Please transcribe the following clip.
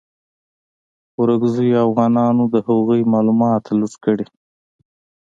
ورکزیو اوغانانو د هغوی مالونه لوټ کړي.